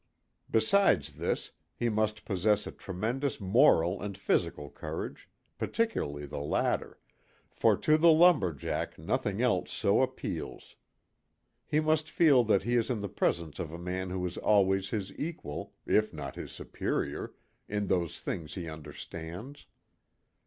Besides this, he must possess a tremendous moral and physical courage, particularly the latter, for to the lumber jack nothing else so appeals. He must feel that he is in the presence of a man who is always his equal, if not his superior, in those things he understands.